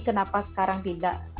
kenapa sekarang tidak